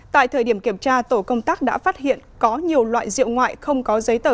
tại thời điểm kiểm tra tổ công tác đã phát hiện có nhiều loại rượu ngoại không có giấy tờ